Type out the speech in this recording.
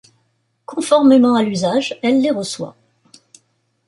Conformément à l'usage, elle les reçoit.